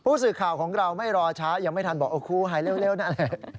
ผู้สื่อข่าวของเราไม่รอช้ายังไม่ทันบอกครูหายเร็วนั่น